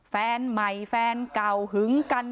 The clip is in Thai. แฟนใหม่แฟนเก่าหึงกัน